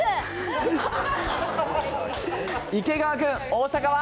池川君、大阪は？